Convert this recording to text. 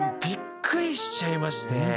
びっくりしちゃいまして。